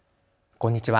こんにちは。